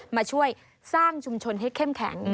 มาช่วยสร้างชุมชนให้เข้มแข็ง